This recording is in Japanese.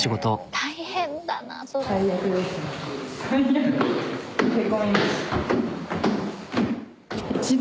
大変だなそれ。